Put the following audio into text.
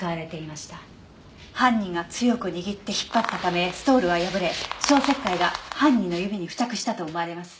犯人が強く握って引っ張ったためストールは破れ消石灰が犯人の指に付着したと思われます。